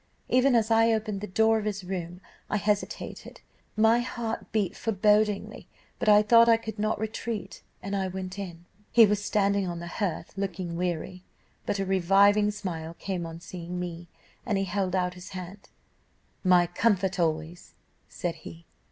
Even as I opened the door of his room I hesitated, my heart beat forebodingly, but I thought I could not retreat, and I went in. "He was standing on the hearth looking weary, but a reviving smile came on seeing me, and he held out his hand 'My comfort always,' said he.